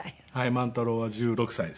万太郎は１６歳です。